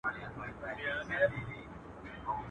هغه کس کې بې ايمانه، چي زوى گران کي، لور ارزانه.